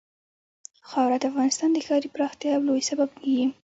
خاوره د افغانستان د ښاري پراختیا یو لوی سبب کېږي.